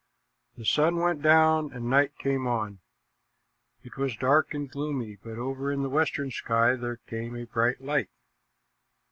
The sun went down and night came on. It was dark and gloomy, but over in the western sky there came a bright light.